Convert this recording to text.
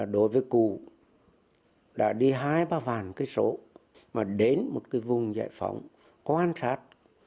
đối với cuba đã đi hai ba vàng cái số mà đến một cái vùng giải phóng quan sát